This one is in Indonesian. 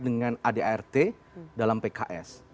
dengan adrt dalam pks